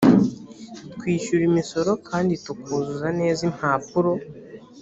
twishyura imisoro kandi tukuzuza neza impapuro